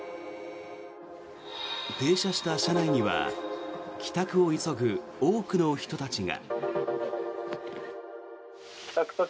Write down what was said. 停車した車内には帰宅を急ぐ多くの人たちが。